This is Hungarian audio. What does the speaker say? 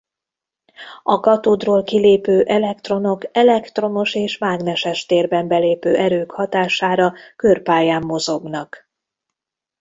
A katódról kilépő elektronok elektromos és mágneses térben belépő erők hatására körpályán mozognak.